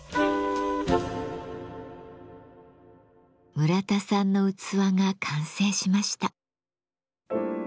村田さんの器が完成しました。